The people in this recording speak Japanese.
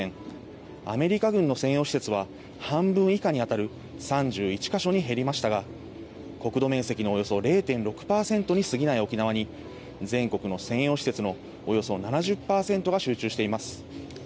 アメリカ軍の専用施設は半分以下にあたる３１か所に減りましたが国土面積のおよそ０．６％にすぎない沖縄に全国の専用施設のおよそ７０％が集中しています。